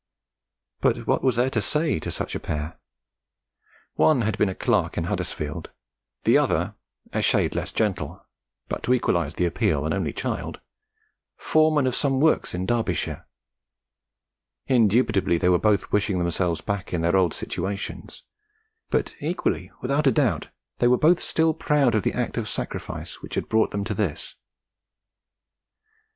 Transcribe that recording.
But what was there to say to such a pair? One had been a clerk in Huddersfield; the other, a shade less gentle, but, to equalise the appeal, an only child, foreman of some works in Derbyshire. Indubitably they were both wishing themselves back in their old situations; but equally without a doubt they were both still proud of the act of sacrifice which had brought them to this.